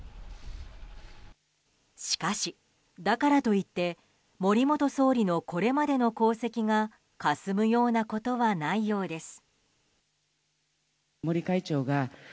しかし、だからといって森元総理のこれまでの功績がかすむようなことはないようです。